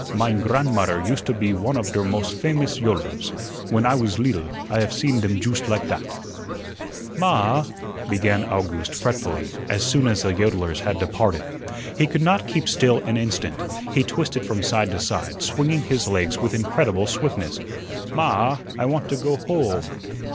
Mein gran'mutter used to be one of der mos' famous yodlers. When I was leedle, I haf seen dem joost like dat." "Ma ah," began Owgooste fretfully, as soon as the yodlers had departed. He could not keep still an instant; he twisted from side to side, swinging his legs with incredible swiftness. "Ma ah, I want to go ho ome."